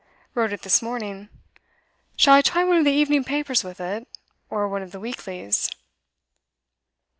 'Wrote it this morning. Shall I try one of the evening papers with it, or one of the weeklies?